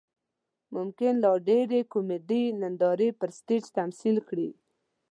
ممکن لا ډېرې کومیډي نندارې پر سټیج تمثیل کړي.